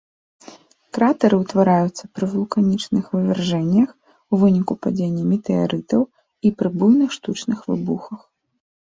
Кратары ўтвараюцца пры вулканічных вывяржэннях, у выніку падзення метэарытаў і пры буйных штучных выбухах.